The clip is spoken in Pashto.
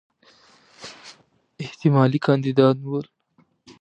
احتمالي کاندیدان ول.